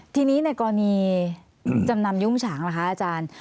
ทีนี้ในกรณีจำนำยุ่งฉางล่ะคะอาจารย์